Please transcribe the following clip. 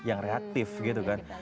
yang reaktif gitu kan